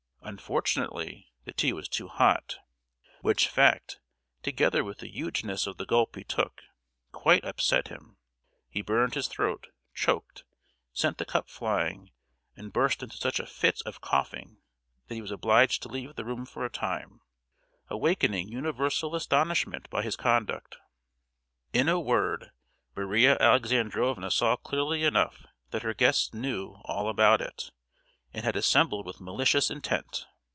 Unfortunately the tea was too hot; which fact, together with the hugeness of the gulp he took—quite upset him. He burned his throat, choked, sent the cup flying, and burst into such a fit of coughing that he was obliged to leave the room for a time, awakening universal astonishment by his conduct. In a word, Maria Alexandrovna saw clearly enough that her guests knew all about it, and had assembled with malicious intent!